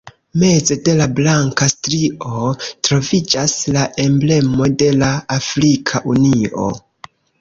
Meze de la blanka strio troviĝas la Emblemo de la Afrika Unio.